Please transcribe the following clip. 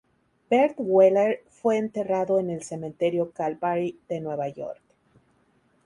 Bert Wheeler fue enterrado en el Cementerio Calvary de Nueva York.